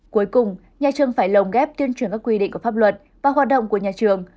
cuối cùng nhà trường phải lồng ghép tuyên truyền các quy định của pháp luật và hoạt động của nhà trường